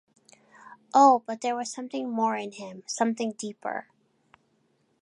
Oh, but there was something more in him, something deeper!